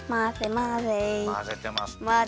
まぜてます。